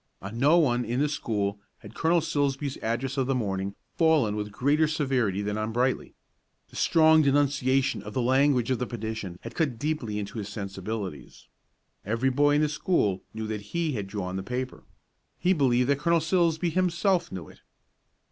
On no one in the school had Colonel Silsbee's address of the morning fallen with greater severity than on Brightly. The strong denunciation of the language of the petition had cut deeply into his sensibilities. Every boy in the school knew that he had drawn the paper; he believed that Colonel Silsbee himself knew it.